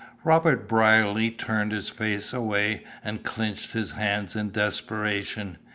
Robert Brierly turned his face away, and clinched his hands in desperation.